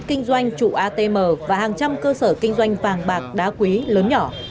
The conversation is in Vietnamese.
kinh doanh trụ atm và hàng trăm cơ sở kinh doanh vàng bạc đá quý lớn nhỏ